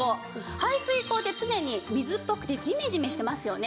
排水口って常に水っぽくてジメジメしてますよね。